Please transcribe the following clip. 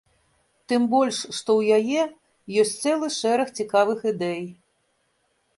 Тым больш што ў яе ёсць цэлы шэраг цікавых ідэй.